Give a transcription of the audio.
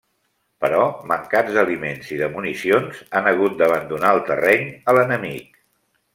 Però, mancats d'aliments i de municions, han hagut d'abandonar el terreny a l'enemic.